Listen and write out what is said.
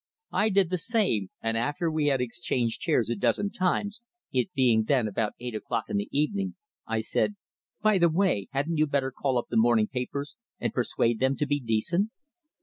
I did the same, and after we had exchanged chairs a dozen times it being then about eight o'clock in the evening I said: "By the way, hadn't you better call up the morning papers and persuade them to be decent."